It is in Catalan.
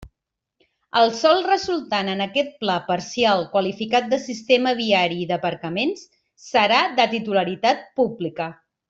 El sòl resultant en aquest Pla parcial qualificat de sistema viari i d'aparcaments, serà de titularitat pública.